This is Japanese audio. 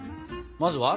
まずは？